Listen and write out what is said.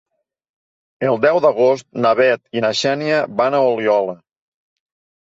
El deu d'agost na Bet i na Xènia van a Oliola.